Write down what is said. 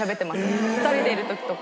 ２人でいる時とか。